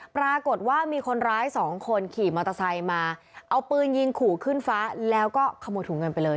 ปรากฏว่ามีคนร้ายสองคนขี่มอเตอร์ไซค์มาเอาปืนยิงขู่ขึ้นฟ้าแล้วก็ขโมยถุงเงินไปเลย